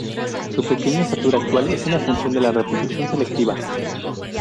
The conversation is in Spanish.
Su pequeña estatura actual es una función de la reproducción selectiva.